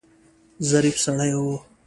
ظریف سړی و.